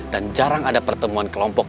dan jarang ada pertemuan kelompok